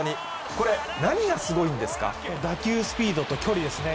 これ、何がすごいんこれ、打球スピードと距離ですね。